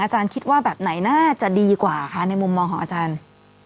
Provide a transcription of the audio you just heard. คิดว่าแบบไหนน่าจะดีกว่าคะในมุมมองของอาจารย์